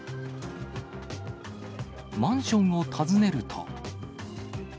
マンションを訪ねると。